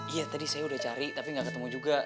iya tadi saya udah cari tapi nggak ketemu juga